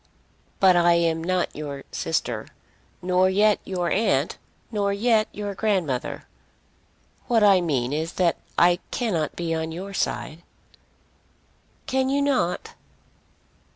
"But I am not your sister, nor yet your aunt, nor yet your grandmother. What I mean is that I cannot be on your side." "Can you not?"